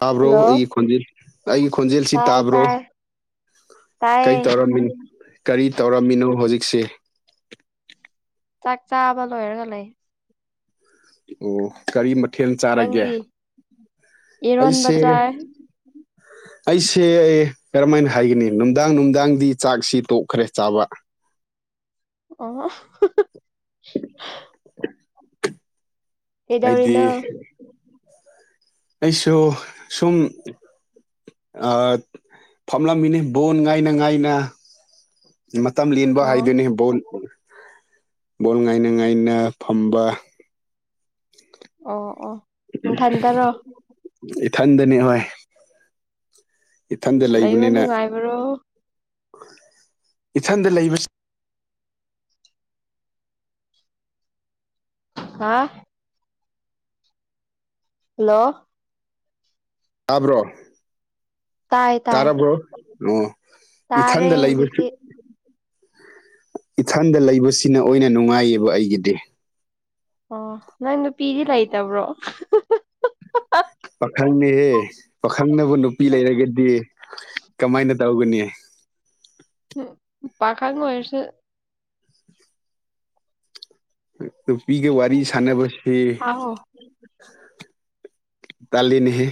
ꯇꯥꯕ꯭ꯔꯣ ꯍꯜꯂꯣ ꯑꯩꯒꯤ ꯈꯣꯟꯖꯦꯜ ꯑꯩꯒꯤ ꯈꯣꯟꯖꯦꯜꯁꯤ ꯇꯥꯏ ꯇꯥꯕ꯭ꯔꯣ ꯇꯥꯏ ꯀꯔꯤ ꯇꯥꯏꯌꯦ ꯇꯧꯔꯝꯃꯤ ꯀꯔꯤ ꯇꯧꯔꯝꯃꯤꯅꯣ ꯍꯧꯖꯤꯛꯁꯦ ꯆꯥꯛ ꯆꯥꯕ ꯂꯣꯏꯔꯒ ꯂꯩ ꯑꯣ ꯀꯔꯤ ꯃꯊꯦꯜ ꯆꯥꯔꯒꯦ ꯅꯪꯗꯤ ꯏꯔꯣꯟꯕ ꯑꯩꯁꯦ ꯆꯥꯏ ꯑꯩꯁꯦ ꯀꯔꯝꯍꯥꯏꯅ ꯍꯥꯏꯒꯅꯤ ꯅꯨꯡꯗꯥꯡ ꯅꯨꯡꯗꯥꯡꯗꯤ ꯆꯥꯛꯁꯤ ꯇꯣꯛꯈ꯭ꯔꯦ ꯆꯥꯕ ꯑꯣ [inaudible] ꯍꯥꯏꯗꯤ ꯀꯩꯗꯧꯔꯤꯅꯣ ꯑꯩꯁꯨ ꯁꯨꯝ ꯐꯝꯂꯝꯃꯤꯅꯤ ꯕꯣꯟ ꯉꯥꯏꯅ ꯉꯥꯏꯅ ꯃꯇꯝ ꯂꯦꯟꯕ ꯑꯣ ꯍꯥꯏꯗꯨꯣꯏꯅꯤ ꯕꯣꯜ ꯕꯣꯜ ꯉꯥꯏꯅ ꯉꯥꯏꯅ ꯐꯝꯕ ꯑꯣ ꯑꯣ ꯅꯊꯟꯗꯔꯣ ꯏꯊꯟꯗꯅꯤ ꯍꯣꯏ ꯏꯊꯟꯗ ꯂꯩꯕ ꯂꯩꯕꯅꯤꯅ ꯅꯨꯡꯉꯥꯏꯕ꯭ꯔꯣ ꯏꯊꯟꯗ ꯂꯩꯕ ꯍꯥ ꯍꯜꯂꯣ ꯇꯥꯕ꯭ꯔꯣ ꯇꯥꯏ ꯇꯥꯏ ꯇꯥꯔꯕ꯭ꯔꯣ ꯑꯣ ꯇꯥꯔꯦ ꯏꯊꯟꯗ ꯂꯩꯕꯁꯨ ꯍꯧꯖꯤꯛꯇꯤ ꯏꯊꯟꯗ ꯂꯩꯕꯁꯤꯅ ꯑꯣꯏꯅ ꯅꯨꯡꯉꯥꯏꯌꯦꯕ ꯑꯩꯒꯤꯗꯤ ꯑꯣ ꯅꯣꯏ ꯅꯨꯄꯤꯗꯤ ꯂꯩꯇꯕ꯭ꯔꯣ ꯄꯥꯈꯪꯅꯦꯍꯦ ꯄꯥꯈꯪꯅꯕꯨ ꯅꯨꯄꯤ ꯂꯩꯔꯒꯗꯤ ꯀꯃꯥꯏꯅ ꯇꯧꯒꯅꯤ ꯎꯝ ꯄꯥꯈꯪ ꯑꯣꯏꯔꯁꯨ [inaudible] ꯅꯨꯄꯤꯒ ꯋꯥꯔꯤ ꯁꯅꯦꯕꯁꯦ ꯊꯥꯍꯣ ꯇꯜꯂꯤꯅꯤꯍꯦ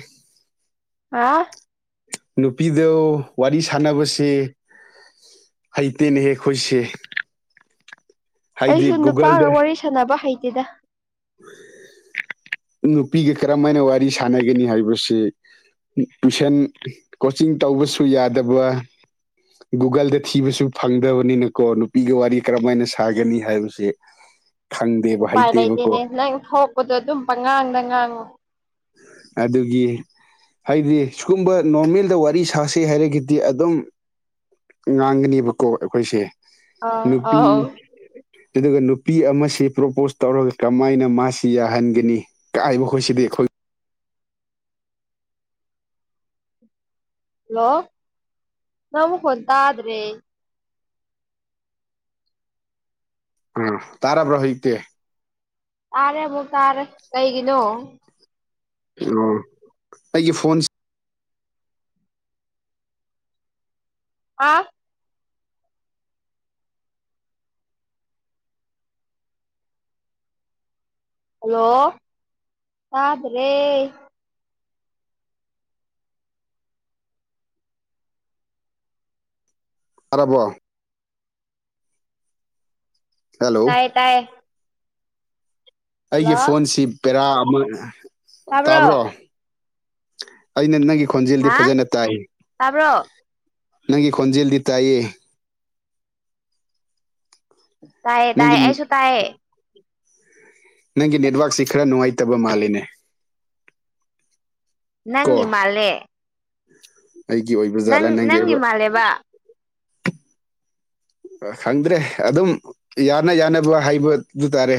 ꯍꯥ ꯅꯨꯄꯤꯗ ꯋꯥꯔꯤ ꯁꯥꯟꯅꯕꯁꯦ ꯍꯩꯇꯦꯅꯦꯍꯦꯛ ꯑꯩꯈꯣꯏꯁꯦ ꯍꯥꯏꯗꯤ ꯑꯩꯁꯨ ꯅꯨꯄꯥꯒ ꯒꯨꯒꯜꯗ ꯋꯥꯔꯤ ꯁꯥꯟꯅꯕ ꯍꯩꯇꯦꯗ ꯅꯨꯄꯤꯒ ꯀꯔꯝ ꯍꯥꯏꯅ ꯋꯥꯔꯤ ꯁꯥꯟꯅꯒꯅꯤ ꯍꯥꯏꯕꯁꯤ ꯇꯨꯏꯁꯟ ꯀꯣꯆꯤꯡ ꯇꯧꯕꯁꯨ ꯌꯥꯗꯕ ꯒꯨꯒꯜꯗ ꯊꯤꯕꯁꯨ ꯐꯪꯗꯕꯅꯤꯅꯀꯣ ꯅꯨꯄꯤꯒ ꯋꯥꯔꯤ ꯀꯔꯝꯃꯥꯏꯅ ꯁꯥꯒꯅꯤ ꯍꯥꯏꯕꯁꯦ [inaudible] ꯎꯄꯥꯏ ꯂꯩꯇꯦꯅꯦ ꯍꯩꯇꯦꯕꯀꯣ ꯅꯪ ꯊꯣꯛꯄꯗꯣ ꯑꯗꯨꯝ ꯄꯉꯥꯡꯗ ꯉꯥꯡꯉꯨ ꯑꯗꯨꯒꯤ ꯍꯥꯏꯗꯤ ꯁꯤꯒꯨꯝꯕ ꯅꯣꯔꯃꯦꯜꯗ ꯋꯥꯔꯤ ꯁꯥꯁꯩ ꯍꯥꯏꯔꯒꯗꯤ ꯑꯗꯨꯝ ꯉꯥꯡꯒꯅꯦꯕꯀꯣ ꯑꯩꯈꯣꯏꯁꯦ ꯑꯥ ꯑꯥꯎ ꯅꯨꯄꯤ ꯑꯗꯨꯒ ꯅꯨꯄꯤ ꯑꯃꯁꯤ ꯄ꯭ꯔꯣꯄꯣꯁ ꯇꯧꯔꯒ ꯀꯃꯥꯏꯅ ꯃꯥꯁꯤ ꯌꯥꯍꯟꯒꯅꯤ ꯀꯥꯏꯕꯈꯣꯏꯁꯤꯗꯦꯈꯣꯏ ꯍꯜꯂꯣ ꯅꯃꯒ ꯍꯗꯗ꯭ꯔꯦ ꯑ ꯇꯔꯥꯕ꯭ꯔꯣ ꯍ ꯏꯇꯦ ꯇꯥꯔꯦ ꯃꯨ ꯇꯥꯔꯦ ꯀꯩꯒꯤꯅꯣ ꯑꯣ ꯑꯩꯒꯤ ꯐꯣꯟꯁꯤ ꯑꯥ ꯍꯜꯂꯣ ꯀꯗ꯭ꯔꯦ ꯑꯔꯕꯣ ꯍꯜꯂꯣ ꯇꯥꯏꯌꯦ ꯇꯥꯏꯌꯦ ꯑꯩꯒꯤ ꯍꯜꯂꯣ ꯐꯣꯟꯁꯤ ꯄꯦꯔꯥ ꯑꯃ ꯇꯥꯕ꯭ꯔꯣ ꯑꯩꯅ ꯅꯪꯒꯤ ꯈꯣꯟꯖꯦꯜꯗꯤ ꯍꯥ ꯐꯖꯅ ꯇꯥꯏ ꯇꯥꯕ꯭ꯔꯣ ꯅꯪ ꯀꯣꯟꯖꯦꯜꯗꯤ ꯇꯌꯦ ꯇꯥꯏꯌꯦ ꯅꯪꯒꯤ ꯇꯥꯏꯌꯦ ꯑꯁꯨ ꯇꯥꯏꯌꯦ ꯅꯪꯒꯤ ꯅꯦꯠꯋꯛꯁꯤ ꯈꯔ ꯅꯨꯡꯉꯥꯏꯇꯕ ꯃꯥꯜꯂꯤꯅꯦ ꯅꯪ ꯀꯣ ꯏ ꯃꯥꯂꯦ ꯑꯩꯒꯤ ꯑꯣꯏꯕ ꯖꯥꯠꯂ ꯅꯪꯒꯦ ꯍꯂꯦꯕ ꯈꯪꯗ꯭ꯔꯦ ꯑꯗꯨꯝ ꯌꯥꯅ ꯌꯥꯅꯕ ꯍꯥꯏꯕꯗꯨ ꯇꯥꯔꯦ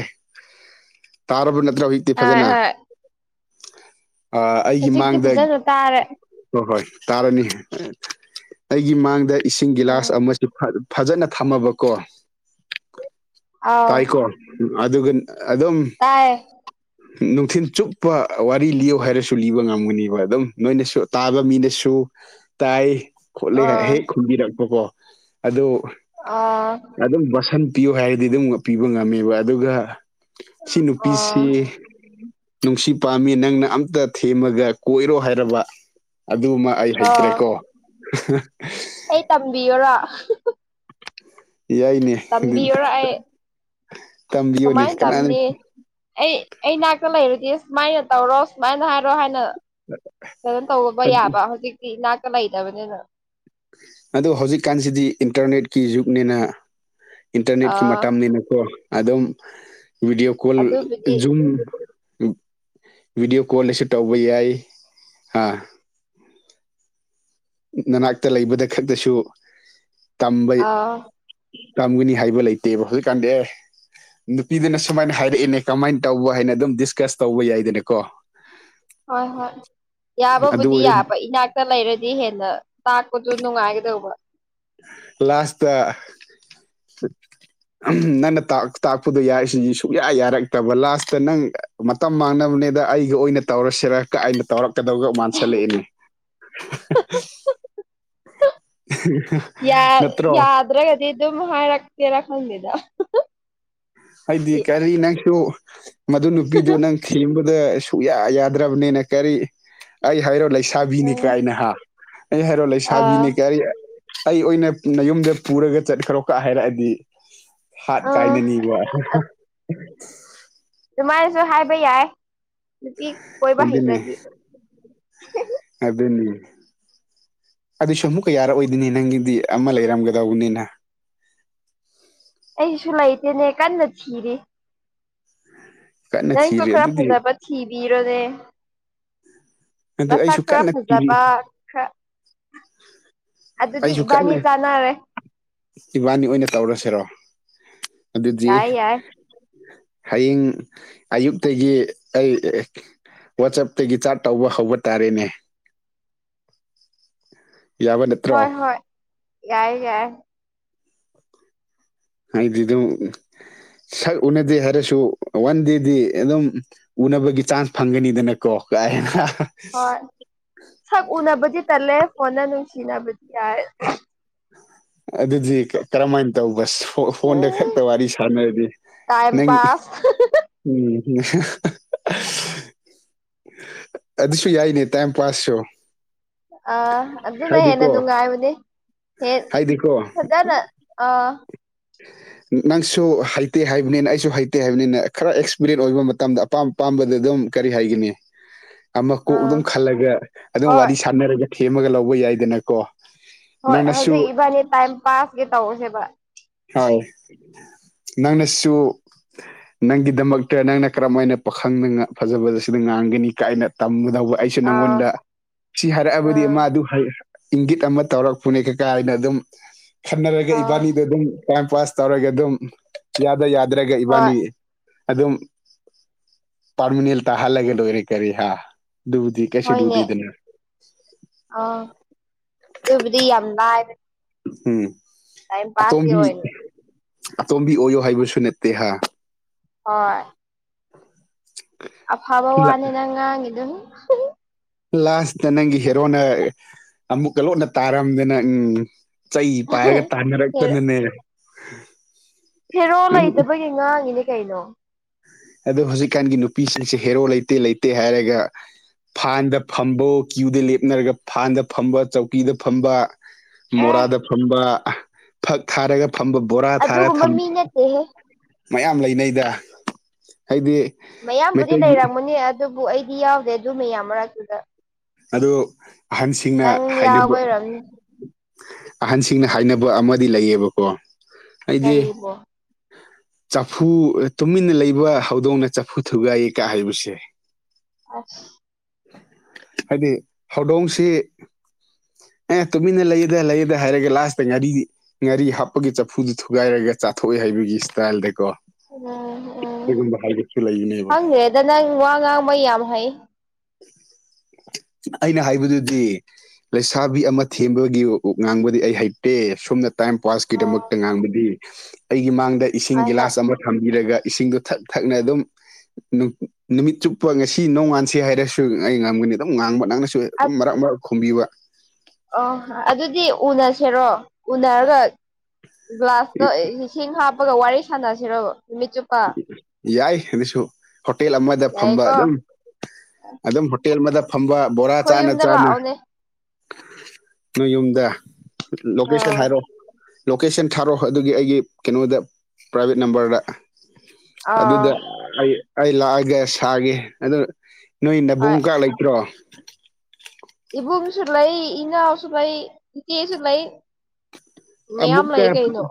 ꯇꯥꯕꯨ ꯅꯠꯇ꯭ꯔ ꯍ ꯑ ꯍꯣꯏ ꯑꯩꯒꯤ ꯍꯧꯖꯤꯛꯇꯤ ꯃꯥꯡꯗ ꯐꯖꯅ ꯇꯥꯔꯦ ꯍꯣꯏ ꯍꯣꯏ ꯇꯥꯔꯅꯤ ꯑꯩꯒꯤ ꯃꯥꯡꯗ ꯏꯁꯤꯡ ꯎꯝ ꯒꯤꯂꯥꯁ ꯑꯃꯁꯨ ꯐꯖꯅ ꯊꯝꯃꯕꯀꯣ ꯑꯥꯎ ꯇꯥꯏꯀꯣ ꯑꯗꯨ ꯑꯗꯨ ꯑꯗꯨꯝ ꯇꯥꯏꯌꯦ ꯅꯨꯡꯊꯤꯤꯟ ꯆꯨꯞꯄ ꯋꯥꯔꯤ ꯂꯤꯌ ꯍꯥꯏꯔꯁꯨ ꯂꯤꯕ ꯉꯝꯒꯨꯅꯦꯕ ꯑꯗꯨꯝ ꯅꯣꯏꯅꯁꯨ ꯇꯥꯕ ꯃꯤꯅꯦꯁꯨꯣ ꯇꯥꯏ ꯈꯣꯠꯂꯦ ꯑꯥ ꯍꯦꯛ ꯈꯨꯝꯕꯤꯔꯛꯄꯀꯣ ꯑꯗꯨ ꯑꯥ ꯑꯗꯨꯝ ꯕꯁꯟ ꯄꯤꯌꯨ ꯍꯥꯏꯔꯗꯤ ꯑꯗꯨꯝ ꯄꯤꯕ ꯉꯝꯃꯦꯕ ꯑꯗꯨꯒ ꯁꯤ ꯑꯥ ꯅꯨꯄꯤꯁꯤ ꯅꯨꯡꯁꯤ ꯄꯥꯝꯃꯤ ꯅꯪꯅ ꯑꯝꯇ ꯊꯦꯝꯃꯒ ꯀꯣꯏꯔꯣ ꯍꯥꯏꯔꯕ ꯑꯗꯨꯒꯕ ꯑꯩ ꯑꯣ ꯍꯩꯇ꯭ꯔꯦꯀꯣ ꯑꯩ ꯇꯝꯕꯤꯌꯔꯣ ꯌꯥꯏꯅꯦ ꯇꯝꯕꯤꯌꯨꯔ ꯑꯩ ꯇꯝꯕꯤꯌꯨꯅꯦ ꯀꯃꯥꯏꯅ ꯀꯅꯥꯅ ꯇꯝꯅꯤ ꯑꯩ ꯑꯩꯅꯥꯛꯇ ꯂꯩꯔꯨꯗꯤ ꯁꯨꯃꯥꯏꯅ ꯇꯧꯔꯣ ꯁꯨꯃꯥꯏꯅ ꯍꯥꯏꯔꯣ ꯍꯥꯏꯅ ꯑꯗꯨꯝ ꯇꯕ ꯌꯥꯕ ꯍꯧꯖꯤꯛꯇꯤ ꯏꯅꯥꯀ ꯂꯩꯇꯕꯅꯤꯅ ꯑꯗꯣ ꯍꯧꯖꯤꯛꯀꯥꯟꯁꯤꯗꯤ ꯏꯟꯇꯔꯅꯦꯠꯀꯤ ꯖꯨꯛꯅꯤꯅ ꯏꯟꯇꯔꯅꯦꯠꯀꯤ ꯑꯥ ꯃꯇꯥꯡꯅꯤꯅꯀꯣ ꯑꯗꯨꯝ ꯚꯗꯤꯑꯣ ꯀꯣꯜ ꯑꯗꯨꯕꯨꯗꯤ ꯖ ꯚꯤꯗꯤꯑꯣ ꯀꯣꯜꯗꯁꯨ ꯇꯧꯕ ꯌꯥꯏ ꯑꯥ ꯅꯅꯥꯛꯇ ꯂꯩꯕꯗ ꯈꯛꯇꯁꯨ ꯇꯝꯕ ꯑꯥ ꯇꯝꯒꯅꯤ ꯍꯥꯏꯕ ꯂꯩꯇꯦꯕ ꯍꯧꯖꯤꯛꯀꯥꯟꯗꯤ ꯑꯦ ꯅꯨꯄꯤꯗꯨꯅ ꯁꯨꯃꯥꯏꯅ ꯍꯥꯏꯔꯛꯑꯏꯅꯦ ꯀꯃꯥꯏꯅ ꯇꯧꯕ ꯍꯥꯏꯅ ꯑꯗꯨꯝ ꯗꯤꯁꯀꯁ ꯇꯧꯕ ꯌꯥꯏꯗꯅ ꯀꯣ [inaudible] ꯍꯣꯏ ꯍꯣꯏ ꯌꯥꯕꯕꯨꯗꯤ ꯑꯣꯏꯔꯗꯤ ꯌꯥꯕ ꯏꯅꯥꯛ ꯂꯩꯔꯗꯤ ꯍꯦꯟꯅ ꯇꯥꯛꯄꯗꯨꯣ ꯅꯨꯡꯉꯥꯏꯒꯗꯧꯕ ꯂꯥꯁꯇ ꯅꯪꯅ ꯇꯥꯛꯄꯗꯣ ꯌꯥꯔꯤꯁꯤꯗꯤ ꯁꯨꯛꯌꯥ ꯌꯥꯔꯛꯇꯕ ꯂꯥꯁꯇ ꯅꯪ ꯃꯇꯝ ꯃꯥꯡꯅꯕꯅꯦꯗ ꯑꯩꯒ ꯑꯣꯏꯅ ꯇꯧꯔꯁꯤꯔꯒ ꯑꯩꯅ ꯇꯧꯔꯛ ꯀꯗꯧꯒ ꯃꯥꯟꯁꯤꯜꯂꯛꯏꯅꯤ ꯌꯥꯗ꯭ꯔꯒꯗꯤ ꯑꯗꯨꯝ ꯍꯥꯏꯔꯛꯇꯦꯔ ꯈꯪꯗꯦꯗ ꯍꯥꯏꯗꯤ ꯀꯔꯤ ꯅꯪꯁꯨ ꯃꯗꯨ ꯅꯨꯄꯤꯗꯨꯣ ꯅꯪ ꯊꯦꯡꯕ ꯑꯗꯨꯗ ꯁꯨꯛꯌꯥ ꯌꯥꯗ꯭ꯔꯕꯅꯤꯅ ꯀꯔꯤ ꯑꯩ ꯍꯥꯏꯔꯣ ꯂꯩꯁꯥꯕꯤꯅꯤ ꯎꯝ ꯀꯥꯏꯅ ꯍꯥ ꯍꯦꯔꯣ ꯂꯩ ꯑꯥ ꯁꯕꯤꯅꯦ ꯀꯔꯤ ꯑꯩ ꯑꯣꯏꯅ ꯎꯝ ꯅꯌꯨꯝꯗ ꯄꯨꯔꯒ ꯆꯠꯈ꯭ꯔꯣ ꯀ ꯍꯥꯏꯔꯛꯑꯗꯤ ꯍꯥꯠ ꯑꯥ ꯀꯥꯏꯅꯅꯤꯕ‌ꯣ [unintelligible] ꯑꯗꯨꯃꯥꯏꯅꯁꯨ ꯍꯥꯏꯕ ꯌꯥꯏ ꯅꯨꯄꯤ ꯀꯣꯏꯕ ꯍꯩꯇ꯭ꯔꯗꯤ ꯑꯗꯨꯅ‌ꯦ ꯑꯗꯨꯁꯨ ꯑꯃꯨꯛꯀ ꯌꯥꯔꯛꯑꯣꯏꯗꯣꯏꯅꯤ ꯅꯪꯒꯤꯗꯤ ꯑꯃ ꯂꯩꯔꯝꯒꯗꯧꯕꯅꯤꯅ ꯑꯩꯁꯨ ꯂꯩꯇꯦꯅꯦ ꯀꯟꯅ ꯊꯤꯔꯤ ꯀꯟꯅ ꯅꯪꯁꯨ ꯊꯤꯔꯤ ꯈꯔ ꯑꯗꯨꯗꯤ ꯐꯖꯕ ꯊꯤꯕꯤꯔꯣꯅꯦ ꯑꯗꯨ ꯃꯁꯥ ꯑꯩꯁꯨ ꯈꯔ ꯀꯟꯅ ꯊꯤꯔꯤ ꯐꯖꯕ ꯈꯔ ꯑꯗꯨꯗꯤ ꯑꯩꯁꯨ ꯏꯕꯥꯅꯤ ꯀꯟꯅ ꯆꯥꯅꯔꯦ ꯏꯕꯥꯅꯤ ꯑꯣꯏꯅ ꯇꯧꯔꯁꯤꯔꯣ ꯑꯗꯨꯗꯤ ꯌꯥꯏ ꯌꯥꯏ ꯍꯌꯦꯡ ꯑꯌꯨꯛꯇꯒꯤ ꯑꯩ ꯋꯥꯆꯞꯇꯒꯤ ꯆꯥꯔꯠ ꯇꯧꯕ ꯍꯧꯕ ꯇꯥꯔꯦꯅꯦ ꯌꯥꯕ ꯅꯠꯇ꯭ꯔꯣ ꯍꯣꯏ ꯍꯣꯏ ꯌꯥꯏ ꯌꯥꯏ ꯑꯩꯗꯤ ꯑꯗꯨꯝ ꯁꯛ ꯎꯅꯗꯦ ꯍꯥꯏꯔꯁꯨ ꯋꯥꯟ ꯗꯦꯗꯤ ꯑꯗꯨꯝ ꯎꯅꯕꯒꯤ ꯆꯥꯟꯁ ꯐꯪꯒꯅꯤꯗꯅꯀꯣ ꯀꯥꯏ ꯍꯣꯏ ꯁꯛ ꯎꯅꯥꯕꯗꯤ ꯇꯜꯂꯦ ꯐꯣꯟꯗ ꯅꯨꯡꯁꯤꯅꯥꯕꯗꯤ ꯌꯥꯏ ꯑꯗꯨꯗꯤ ꯀ ꯀ꯭ꯔꯝ ꯃꯥꯏ ꯇꯧꯕ ꯁ ꯐꯣꯟꯗ ꯎꯝ ꯈꯛꯇ ꯋꯥꯔꯤ ꯁꯥꯟꯅꯔꯗꯤ ꯇꯥꯏꯝ ꯅꯪ ꯄꯥꯁ ꯎꯝ [unintelligible] ꯑꯗꯨꯁꯨ ꯌꯥꯏꯅꯦ ꯇꯥꯏꯝ ꯄꯥꯁꯁꯨ ꯑꯥ ꯑꯗꯨꯅ ꯍꯦꯟꯅ ꯍꯥꯏꯗꯤꯀꯣ ꯅꯨꯡꯉꯥꯏꯕꯅꯦ ꯍ‌ꯦꯛ ꯍꯥꯏꯗꯤꯀꯣ ꯐꯖꯅ ꯑꯥ ꯅꯪꯁꯨ ꯍꯩꯇꯦ ꯍꯥꯏꯕꯅꯤꯅ ꯑꯩꯁꯨ ꯍꯩꯇꯦ ꯍꯥꯏꯕꯅꯤꯅ ꯈꯔ ꯑꯦꯛꯁꯄꯤꯔꯤꯟ ꯑꯣꯏꯕ ꯃꯇꯝꯗ ꯑꯄꯥꯝ ꯑꯄꯥꯝꯕꯗ ꯑꯗꯨꯝ ꯀꯔꯤ ꯍꯥꯏꯒꯅꯤ ꯑꯃ ꯀꯣꯛ ꯑꯥ ꯑꯗꯨꯝ ꯈꯜꯂꯒ ꯑꯗꯨꯝ ꯍꯣꯏ ꯋꯥꯔꯤ ꯁꯥꯟꯅꯔꯒ ꯊꯦꯝꯃꯒ ꯂꯧꯕ ꯌꯥꯏꯗꯅꯀꯣ ꯍꯣꯏ ꯅꯪꯅꯁꯨ ꯍꯧꯖꯤꯛ ꯏꯕꯥꯅꯤ ꯇꯥꯏꯝ ꯄꯥꯁꯀꯤ ꯇꯧꯔꯁꯦꯕ ꯍꯣꯏ ꯅꯪꯅꯁꯨ ꯅꯪꯒꯤꯗꯃꯛꯇ ꯅꯪꯅ ꯀꯔꯝ ꯍꯥꯏꯅ ꯄꯥꯈꯪꯅ ꯐꯖꯕꯕꯁꯤꯗ ꯉꯥꯡꯒꯅꯤ ꯀꯥꯏꯅ ꯇꯝꯒꯗꯧꯕ ꯑꯩꯁꯨ ꯑꯥ ꯅꯪꯉꯣꯟꯗ ꯁꯤ ꯍꯥꯏꯔꯛꯑꯕꯗꯤ ꯑꯥ ꯃꯥꯗꯨ ꯍꯥꯏ ꯏꯪꯒꯤꯠ ꯑꯃ ꯇꯧꯔꯛꯄꯅꯦ ꯀꯥꯏꯅ ꯑꯗꯨꯝ ꯈꯟꯅꯔꯒ ꯑꯥ ꯏꯕꯥꯅꯤꯗꯣ ꯑꯗꯨꯝ ꯇꯥꯏꯝ ꯄꯥꯁ ꯇꯧꯔꯒ ꯑꯗꯨꯝ ꯌꯥꯗ ꯌꯥꯗ꯭ꯔꯒ ꯍꯣꯏ ꯏꯕꯥꯅꯤ ꯑꯗꯨꯝ ꯄꯥꯔꯃꯤꯅꯦꯜ ꯇꯥꯍꯜꯂꯒ ꯂꯣꯏꯔꯦ ꯀꯔꯤ ꯍꯥ ꯑꯗꯨꯕꯨꯗꯤ ꯀꯩꯁꯨ ꯍꯣꯏꯅꯦ ꯂꯨꯗꯦꯗꯅ ꯑꯥ ꯑꯗꯨꯕꯨꯗꯤ ꯌꯥꯝ ꯂꯥꯏꯕꯅꯦ ꯎꯝ ꯑꯇꯣꯝꯕꯤ ꯑꯣꯏꯅ ꯑꯇꯣꯝꯕꯤ ꯑꯣꯏꯌꯣ ꯍꯥꯏꯕꯁꯨ ꯅꯠꯇꯦ ꯍꯥ ꯍꯣꯏ [inaudible] ꯑꯐꯕ ꯋꯥꯅ‌ꯦ ꯅꯪ ꯉꯥꯡꯉꯤꯗꯨ ꯂꯥꯁꯇ ꯅꯪꯒꯤ ꯍꯦꯔꯣꯅ ꯑꯃꯨꯛꯀ ꯂꯣꯟꯅ ꯇꯥꯔꯝꯗꯅ ꯎꯝ ꯆꯩ ꯄꯥꯏꯔꯒ ꯇꯥꯟꯅꯔꯛꯇꯅꯅꯦ ꯍ‌ꯦꯔꯣ ꯅꯪ ꯂꯩꯇꯕꯒꯤ ꯉꯥꯡꯉꯤꯅꯦ ꯀꯩꯅꯣ ꯑꯗ‌ꯣ ꯍꯧꯖꯤꯛꯀꯥꯟꯒꯤ ꯅꯨꯄꯤꯁꯤꯡꯁꯦ ꯍꯦꯔꯣ ꯂꯩꯇꯦ ꯂꯩꯇꯦ ꯍꯥꯏꯔꯒ ꯐꯥꯟꯗ ꯐꯝꯕꯣ ꯀ꯭ꯌꯨꯗ ꯂꯦꯞꯅꯔꯒ ꯐꯥꯟꯗ ꯐꯝꯕ ꯆꯧꯀꯤꯗ ꯐꯝꯕ ꯑꯦ ꯃꯣꯔꯥꯗ ꯐꯝꯕ ꯐꯛ ꯊꯥꯔꯒ ꯐꯝꯕ ꯕꯣꯔꯥ ꯊꯥꯔ ꯑꯗꯨꯒꯨꯝꯕ ꯊꯝ ꯃꯤ ꯅꯠꯇꯦꯍꯦ ꯃꯌꯥꯝ ꯂꯩꯅꯩꯗ ꯑꯩꯗꯤ ꯃꯌꯥꯝꯕꯨꯗꯤ ꯂꯩꯔꯝꯒꯅꯤ ꯑꯗꯨꯕꯨ ꯑꯩꯗꯤ ꯌꯥꯎꯗꯦ ꯑꯗꯨ ꯃꯌꯥꯝ ꯃꯔꯛꯇꯨꯗ ꯑꯗꯣ ꯑꯍꯟꯁꯤꯡꯅ ꯅꯪ ꯍꯥꯏꯅꯕ ꯌꯥꯎꯕꯩꯔꯝꯅꯤ ꯑꯍꯟꯁꯤꯡꯅ ꯍꯥꯏꯅꯕ ꯑꯃꯗꯤ ꯂꯩꯌꯦꯕꯀꯣ ꯑꯩꯗꯤ ꯀꯔꯤꯕꯣ ꯆꯐꯨ ꯇꯨꯃꯤꯟꯅ ꯂꯩꯕ ꯍꯧꯗꯣꯡꯅ ꯆꯐꯨ ꯊꯨꯒꯥꯏꯌꯦ ꯀꯥ ꯍꯥꯏꯕꯁꯦ ꯑꯁ ꯍꯥꯏꯗꯤ ꯍꯧꯗꯣꯡꯁꯤ ꯑꯦ ꯇꯨꯃꯤꯟꯅ ꯂꯩꯌꯦꯗ ꯂꯩꯌꯦꯗ ꯍꯥꯏꯔꯒ ꯂꯥꯁꯇ ꯉꯥꯔꯤ ꯉꯥꯔꯤ ꯍꯥꯞꯄꯒꯤ ꯆꯐꯨꯗꯨꯣ ꯊꯨꯒꯥꯏꯔꯒ ꯆꯥꯊꯣꯛꯑꯦ ꯍꯥꯏꯕꯒꯤ ꯏꯁꯇꯥꯏꯜꯗ ꯀꯣ ꯎꯝ ꯎꯝ ꯂꯩꯕꯅꯦꯕ ꯈꯪꯗ꯭ꯔꯦꯗ ꯅꯪ ꯋꯥ ꯉꯥꯡꯕ ꯌꯥꯝ ꯍꯩ ꯑꯩꯅ ꯍꯥꯏꯕꯗꯨꯗꯤ ꯂꯩꯁꯥꯕꯤ ꯑꯃ ꯊꯦꯝꯕꯒꯤ ꯉꯥꯡꯕꯗꯤ ꯑꯩ ꯍꯩꯇꯦ ꯁꯨꯝꯅ ꯇꯥꯏꯝ ꯑꯣ ꯄꯥꯁꯀꯤꯗꯃꯛꯇ ꯉꯥꯡꯕꯗꯤ ꯑꯩꯒꯤ ꯃꯥꯡꯗ ꯏꯁꯤꯡ ꯍꯣꯏ ꯍꯣꯏ ꯒꯤꯂꯥꯁ ꯑꯃ ꯊꯝꯕꯤꯔꯒ ꯏꯁꯤꯡꯗꯣ ꯊꯛ ꯊꯛꯅ ꯑꯗꯨꯝ ꯅꯨ ꯅꯨꯃꯤꯠ ꯆꯨꯞꯄ ꯉꯁꯤ ꯅꯣꯡꯉꯥꯟꯁꯤ ꯍꯥꯏꯔ ꯁꯨ ꯑꯩ ꯉꯝꯒꯅꯤ ꯑꯗꯨꯝ ꯉꯥꯡꯕ ꯅꯪꯅꯁꯨ ꯑꯗꯨꯝ ꯃꯔꯛ ꯃꯔꯛ ꯈꯨꯝꯕꯤꯕ ꯑꯣ ꯑꯗꯨꯗꯤ ꯎꯅꯁꯦꯔꯣ ꯎꯅꯔꯒ ꯒ꯭ꯂꯥꯁꯇ ꯏꯁꯤꯡ ꯍꯥꯞꯄꯒ ꯋꯥꯔꯤ ꯁꯥꯟꯅꯁꯤꯔꯣꯕ ꯅꯨꯃꯤꯠ ꯆꯨꯞ ꯌꯥꯏ ꯑꯗꯨꯁꯨ ꯍꯣꯇꯦꯜ ꯑꯃꯗ ꯐꯝꯕ ꯌꯥꯏꯌꯦꯀꯣ ꯑꯗꯨꯝ ꯑꯗꯨꯝ ꯍꯣꯇꯦꯜ ꯑꯃꯗ ꯐꯝꯕ ꯕꯣꯔꯥ ꯑꯩꯈꯣꯏ ꯆꯥꯅ ꯌꯨꯝꯗ ꯆꯥꯅ ꯂꯥꯛꯑꯣꯅꯦ ꯅꯣꯏ ꯌꯨꯝꯗ ꯂ‌ ꯂꯣꯀꯦꯁꯟ ꯑꯧ ꯍꯥꯏꯔꯛꯑꯣ ꯂꯣꯀꯦꯁꯟ ꯊꯥꯔꯛꯑꯣ ꯑꯗꯨꯒꯤ ꯑꯩꯒꯤ ꯀꯩꯅꯣꯗ ꯄ꯭ꯔꯥꯏꯚꯦꯠ ꯅꯝꯕꯔꯗ ꯑꯥ ꯑꯗꯨꯗ ꯑꯩ ꯑꯩ ꯂꯥꯛꯑꯒ ꯁꯥꯒꯦ ꯑꯗꯨ ꯅꯣꯏ ꯍꯣꯏ ꯅꯕꯨꯡꯀꯥ ꯂꯩꯇ꯭ꯔꯣ ꯏꯕꯨꯡꯨꯡꯁꯨ ꯂꯩ ꯏꯅꯥꯎꯁꯨ ꯂꯩ ꯏ ꯏꯆꯦꯁꯨ ꯂꯩ ꯃꯌꯥꯝ ꯑꯃꯨꯛꯀ ꯂꯩ ꯀꯩꯅꯣ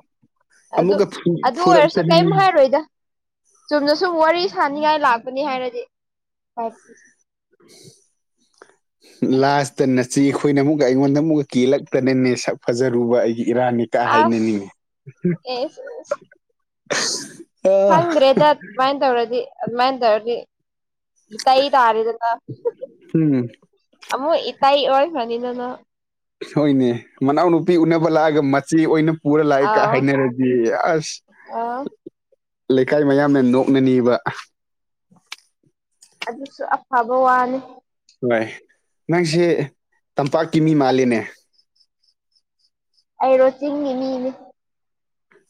ꯑꯗꯨ ꯑꯃꯨꯛꯀ ꯑꯗꯨ ꯑꯣꯏꯔꯁꯨ ꯀꯔꯤꯝ ꯐꯨꯔꯛꯇꯅꯅꯦ ꯍꯥꯏꯔꯣꯏꯗ ꯆꯨꯝꯅ ꯁꯨꯝ ꯋꯥꯔꯤ ꯁꯥꯅꯤꯡꯉꯥꯏ ꯂꯥꯛꯄꯅꯤ ꯍꯥꯏꯔꯗꯤ [unintelligible] [unintelligible] [inaudible] ꯂꯥꯁꯇ ꯅꯆꯦ ꯈꯣꯏꯅ ꯑꯃꯨꯛ ꯑꯩꯉꯣꯟꯗ ꯑꯃꯨꯛꯀ ꯀꯦꯜꯂꯛꯇꯅꯅꯦ ꯁꯛ ꯐꯖꯔꯨꯕ ꯑꯩꯒꯤ ꯏꯔꯥꯟꯅꯤ ꯀ ꯑꯁ ꯍꯥꯏꯅꯤꯅꯦ ꯑꯦꯁ [unintelligible] ꯈꯪꯗ꯭ꯔꯦꯗ ꯑꯗꯨꯃꯥꯏꯅ ꯇꯧꯔꯗꯤ ꯑꯗꯨꯃꯥꯏꯅ ꯇꯧꯔꯗꯤ ꯏꯇꯩ ꯇꯥꯥꯔꯦꯗꯅ ꯎꯝ ꯑꯃꯨꯛ ꯏꯇꯩ ꯑꯣꯏꯈ꯭ꯔꯅꯤꯗꯅ ꯍꯣꯏꯅꯦ ꯃꯅꯥꯎꯅꯨꯄꯤ ꯎꯅꯕ ꯂꯥꯛꯑꯒ ꯃꯆꯦ ꯑꯣꯏꯅ ꯄꯨꯔ ꯂꯥꯛꯏ ꯀꯥ ꯑꯥꯎ ꯍꯥꯏꯅꯔꯗꯤ ꯑꯁ ꯑꯥ ꯂꯩꯀꯥꯏ ꯃꯌꯥꯝꯅ ꯅꯣꯛꯅꯅꯤꯕ ꯑꯗꯨꯁꯨ ꯑꯐꯕ ꯋꯥꯅꯤ ꯍꯣꯏ ꯅꯪꯁꯦ ꯇꯝꯄꯥꯛꯀꯤ ꯃꯤ ꯃꯥꯂꯅꯦ ꯑꯩꯔꯣ ꯆꯤꯡꯉ ꯃꯤꯅꯤ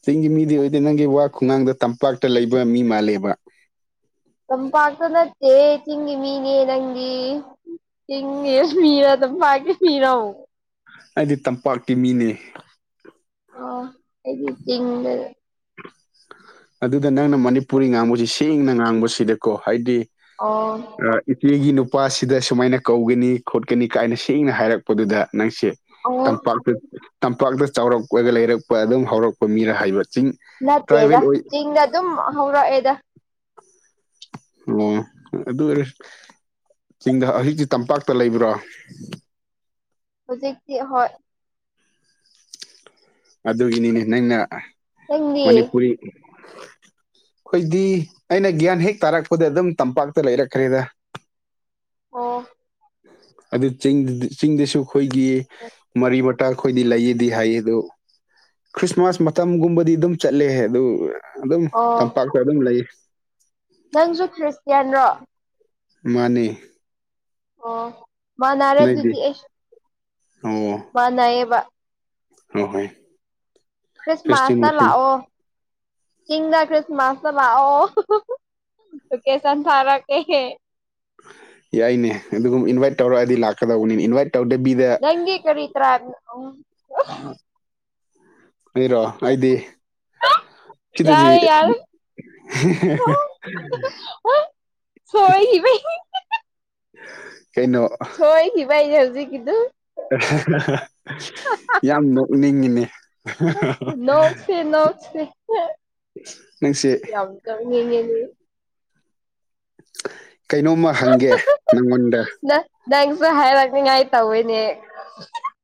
ꯆꯤꯡꯒꯤ ꯃꯤꯗꯤ ꯑꯣꯏꯗꯦ ꯅꯪꯒꯤ ꯋꯥ ꯈꯨꯡꯒꯥꯡꯗ ꯇꯝꯄꯥꯛꯇ ꯂꯩꯕ ꯃꯤ ꯃꯥꯜꯂꯦꯕ ꯀꯝ ꯄꯥꯇ ꯅꯠꯇꯦ ꯊꯤ ꯃꯅꯦ ꯌꯦ ꯅꯪꯤ ꯏꯦ ꯃꯤꯔꯗ ꯄꯥꯒꯦ ꯃꯤꯔ ꯑꯩꯗꯤ ꯇꯝꯄꯥꯛꯇꯀꯤ ꯃꯤꯅꯦ ꯑꯣ ꯑꯩꯤꯡꯗ ꯑꯗꯨꯗ ꯅꯪꯅ ꯃꯅꯤꯄꯨꯔꯤ ꯉꯥꯡꯕꯁꯤ ꯁꯦꯡꯅ ꯉꯥꯡꯕꯁꯤꯗꯀꯣ ꯍꯥꯏꯗꯤ ꯑꯣ ꯏꯆꯦꯒꯤ ꯅꯨꯄꯥꯁꯤꯗ ꯁꯨꯃꯥꯏꯅ ꯀꯧꯒꯅꯤ ꯈꯣꯠꯀꯅꯤ ꯀꯥꯏꯅ ꯁꯦꯡꯅ ꯍꯥꯏꯔꯛ ꯑꯗꯨꯗ ꯅꯪꯁꯦ ꯑꯣ ꯇꯝꯄꯥꯛꯇ ꯇꯝꯄꯥꯛꯇ ꯆꯥꯎꯔꯛꯄꯒ ꯂꯩꯔꯛꯄ ꯑꯗꯨꯝ ꯍꯧꯔꯛꯄ ꯃꯤꯔ ꯍꯥꯏꯕ ꯆꯤꯡ ꯅꯠꯇꯦꯗ ꯇ꯭ꯔꯥꯏꯕꯦꯜ ꯑꯣꯏ ꯆꯤꯡꯗ ꯑꯗꯨꯝ ꯍꯧꯔꯛꯑꯦꯗ ꯑꯣ ꯑꯗꯨ ꯑꯣꯏꯔꯁꯨ ꯆꯤꯡꯗ ꯍꯧꯖꯤꯛꯇꯤ ꯇꯝꯄꯥꯛꯇ ꯂꯩꯕ꯭ꯔꯣ ꯍꯧꯖꯤꯛꯇꯤ ꯍꯣꯏ ꯑꯗꯨꯒꯤꯅꯤꯅꯦ ꯅꯪꯅ ꯅꯪꯗꯤ ꯃꯅꯤꯄꯨꯔꯤ ꯑꯩꯈꯣꯏꯗꯤ ꯑꯩꯅ ꯒ꯭ꯌꯥꯟ ꯍꯦꯛ ꯇꯥꯔꯛꯄꯗ ꯑꯗꯨꯝ ꯇꯝꯄꯥꯛꯇ ꯂꯩꯔꯛꯈ꯭ꯔꯦꯗ ꯑꯣ ꯑꯗꯨ ꯆ ꯆꯤꯡꯗꯁꯨ ꯑꯩꯈꯣꯏꯒꯤ ꯃꯔꯤ ꯑꯩꯈꯣꯏꯗꯤ ꯂꯩꯌꯦꯗꯤ ꯍꯥꯏ ꯑꯗꯨ ꯈ꯭ꯔꯤꯁꯃꯥꯁ ꯃꯇꯝꯒꯨꯝꯕꯗꯤ ꯑꯗꯨꯝ ꯆꯠꯂꯦ ꯑꯗꯨ ꯑꯗꯨꯝ ꯑꯣ ꯇꯝꯄꯥꯛꯇ ꯑꯗꯨꯝ ꯂꯩ ꯅꯪꯁꯨ ꯈ꯭ꯔꯤꯁꯇꯤꯌꯥꯟ ꯔꯣ ꯃꯥꯅꯦ ꯑꯣ ꯃꯥꯅꯔꯥꯗꯨꯗꯤ ꯑꯦꯁ ꯍ ꯃꯥꯅꯌꯦꯕ ꯍꯍꯣꯏ ꯈ꯭ꯔꯁꯃꯥꯁꯇ ꯂꯥꯑꯣ ꯆꯤꯡꯗ ꯈ꯭ꯔꯤꯁꯃꯥꯁꯇ ꯂꯥꯑꯣ ꯀꯦꯁꯟ ꯐꯔ ꯀꯦ ꯌꯥꯏꯅꯦ ꯑꯗꯨꯒꯨꯝ ꯏꯟꯚꯥꯏꯠ ꯇꯧꯔꯛꯑꯗꯤ ꯂꯥꯛꯀꯗꯧꯕꯅꯤꯅ ꯏꯟꯚꯥꯏꯠ ꯇ ꯕꯤꯗ ꯅꯪꯒꯤꯦ ꯀꯔꯤ ꯇ꯭ꯔꯥ ꯎ ꯑꯩꯔꯣ ꯑꯩꯗꯤ ꯁꯤꯗꯗꯤ ꯌꯥꯔ ꯌꯥꯔ [inaudible] ꯁꯣꯏꯈꯤꯕꯩ [unintelligible] ꯀꯩꯅꯣ ꯁꯣꯏ ꯈꯈꯤꯕ ꯍꯥꯏ ꯆꯎꯁꯤ ꯀꯗꯨ ꯌꯥꯝ ꯅ ꯎꯅꯤꯡꯉꯤꯅꯦ [unintelligible] ꯅꯧꯁꯤꯦ ꯅꯎꯁꯤꯦ ꯅꯪꯁꯦ ꯌꯥꯝꯗꯅꯤ [unintelligible] [unintelligible] ꯀꯩꯅꯣꯝꯃ ꯍꯪꯒꯦ ꯅꯪꯉꯣꯟꯗ ꯅ ꯅꯪꯁꯨ ꯍꯥꯏꯔꯛꯅꯤꯉꯥꯏ ꯇꯧꯋꯤꯅꯦ